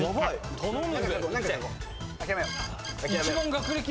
頼む！